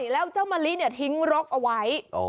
แล้วเจ้ามะลิทิ้งรกเอาไว้